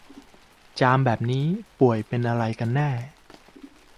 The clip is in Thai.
จามแบบนี้ป่วยอะไรกันแน่